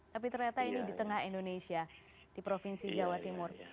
tapi ternyata ini di tengah indonesia di provinsi jawa timur